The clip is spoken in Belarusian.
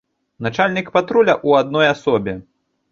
Начальнік патруля у адной асобе.